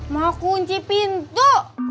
mau kunci pintu